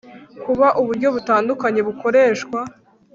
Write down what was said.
Kuba uburyo butandukanye bukoreshwa